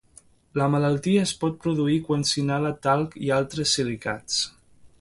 La malaltia es pot produir quan s'inhala talc i altres silicats.